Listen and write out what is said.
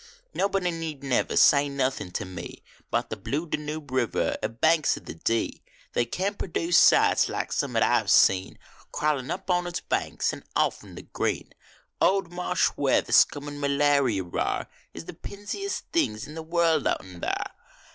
Nobody need never say nothin to me Bout the Blue Danube River er banks of the Dee, They can t perduce sights like some at I ve seen Crawlin up on its banks and off in the green Old marsh where the scum and malarier are S the pizenest things in the world out in there.